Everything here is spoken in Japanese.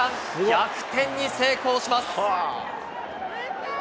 逆転に成功します。